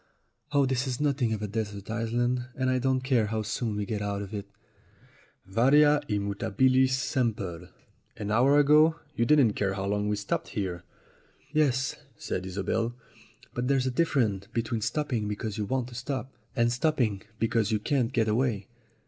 Oh, this is nothing of a desert island, and I don't care how soon we get out of it !" "Varia et mutabilis semper! An hour ago you didn't care how long we stopped here." "Yes," said Isobel; "but there's a difference be tween stopping because you want to stop and stopping because you can't get away.